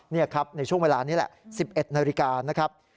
ในช่วงเวลานี้๑๑นาฬิกานะครับ